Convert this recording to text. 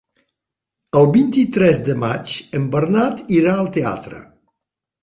El vint-i-tres de maig en Bernat irà al teatre.